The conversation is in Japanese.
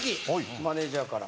マネジャーから。